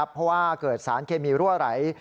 เพราะว่าเกิดสารเคมีรั่วไหล